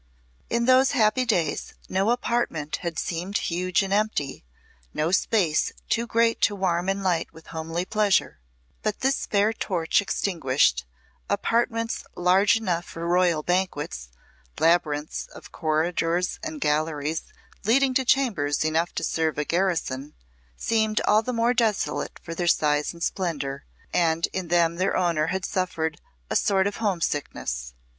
In those happy days no apartment had seemed huge and empty, no space too great to warm and light with homely pleasure. But this fair torch extinguished, apartments large enough for royal banquets, labyrinths of corridors and galleries leading to chambers enough to serve a garrison, seemed all the more desolate for their size and splendour, and in them their owner had suffered a sort of homesickness.